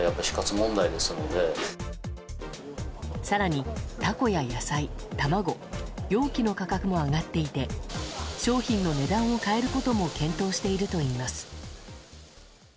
更にタコや野菜、卵容器の価格も上がっていて商品の値段を変えることも検討しているといいます。